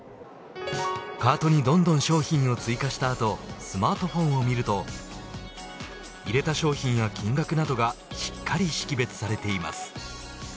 カートにどんどん商品を追加した後スマートフォンを見ると入れた商品や金額などがしっかり識別されています。